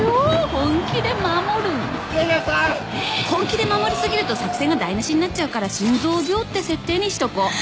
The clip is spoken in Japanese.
本気で守りすぎると作戦が台無しになっちゃうから心臓病って設定にしとこう。